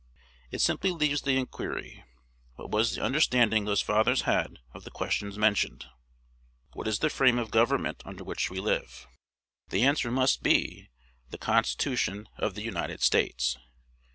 It simply leaves the inquiry, "What was the understanding those fathers had of the questions mentioned?" What is the frame of government under which we live? The answer must be, "The Constitution of the United States."